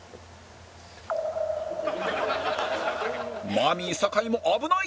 マミィ酒井も危ない！